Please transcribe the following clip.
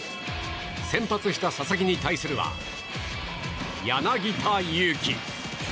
先発した佐々木に対するは柳田悠岐。